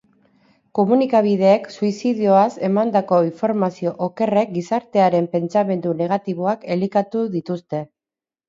Komunikabideek suizidioaz emandako informazio okerrek gizartearen pentsamendu negatiboak elikatu dituzte.